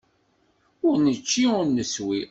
Ur nečči, ur neswi.